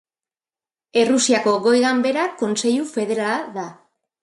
Errusiako goi ganbera Kontseilu Federala da.